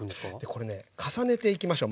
これね重ねていきましょう